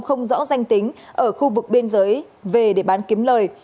không rõ danh tính ở khu vực biên giới về để bán kiếm lời